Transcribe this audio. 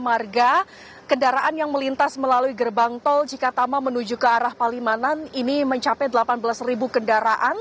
warga kendaraan yang melintas melalui gerbang tol cikatama menuju ke arah palimanan ini mencapai delapan belas kendaraan